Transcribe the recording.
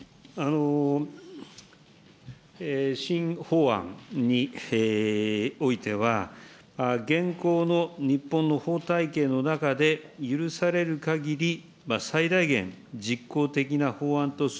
新法案においては、現行の日本の法体系の中で許されるかぎり最大限実効的な法案とす